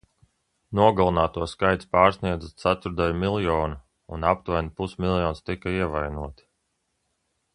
Nogalināto skaits pārsniedza ceturtdaļmiljonu un aptuveni pusmiljons tika ievainoti.